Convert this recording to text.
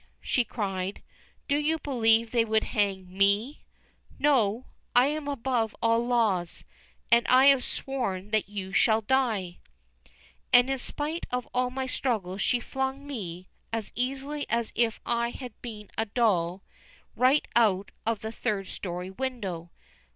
she cried. "Do you believe they would hang me? No; I am above all laws, and I have sworn that you shall die!" And in spite of my struggles she flung me, as easily as if I had been a doll, right out of the third storey window.